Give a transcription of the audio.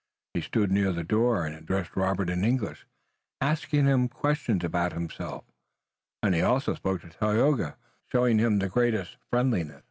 He stood near the door, and addressed Robert in English, asking him questions about himself, and he also spoke to Tayoga, showing him the greatest friendliness.